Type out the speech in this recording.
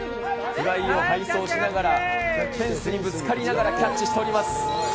フライを背走しながら、フェンスにぶつかりながらキャッチしております。